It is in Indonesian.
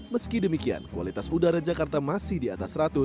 meski demikian kualitas udara jakarta masih di atas seratus